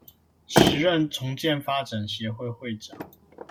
時任重建發展協會會長